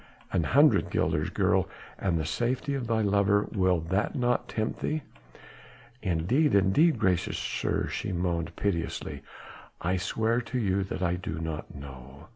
"An hundred guilders, girl, and the safety of thy lover. Will that not tempt thee?" "Indeed, indeed, gracious sir," she moaned piteously, "I swear to you that I do not know."